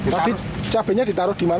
tapi cabainya ditaruh di mana